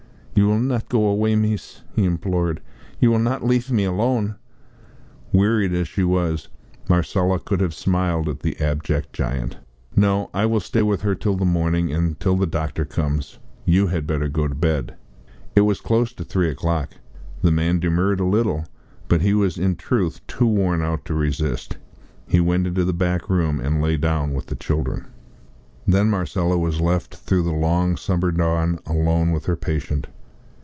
"You will not go away, mees," he implored, "you will not leaf me alone?" Wearied as she was, Marcella could have smiled at the abject giant. "No, I will stay with her till the morning and till the doctor comes. You had better go to bed." It was close on three o'clock. The man demurred a little, but he was in truth too worn out to resist. He went into the back room and lay down with the children. Then Marcella was left through the long summer dawn alone with her patient.